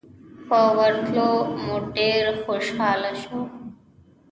په ورتلو مو ډېر خوشاله شو.